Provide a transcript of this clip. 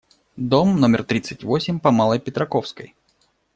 Дом номер тридцать восемь по Малой Петраковской.